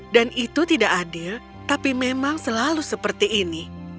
dan itu tidak adil tapi memang selalu seperti ini